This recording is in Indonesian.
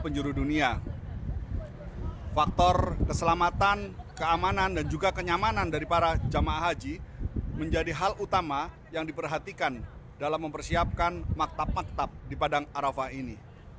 faktor keselamatan keamanan dan juga kenyamanan dari para jamaah haji menjadi hal utama yang diperhatikan dalam mempersiapkan maktab maktab di padang arafah ini